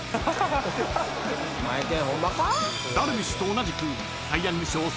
［ダルビッシュと同じく］